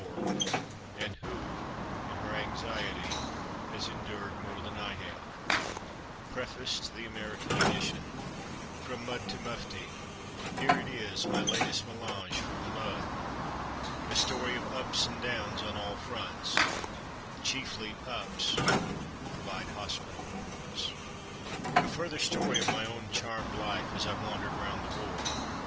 archive.org/details/frommudtomuftiwiOObairrich PREFACE TO THE AMERICAN EDITION From Mud to Mufti, Here it is, my latest melange from the mud. A story of ''ups" and "downs'^ on all fronts (chiefly "ups, "— vide hospital reports). A further story of my own charmed life as I wandered round the war.